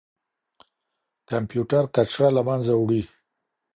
کمپيوټر کچره له منځه وړي.